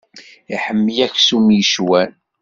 Iḥemmel aksum yecwan.